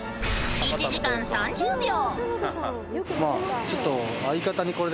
［１時間３０秒］